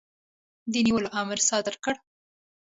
د نیولو امر صادر کړ.